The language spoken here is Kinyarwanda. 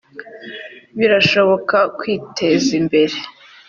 birashoboka kwitezimbere.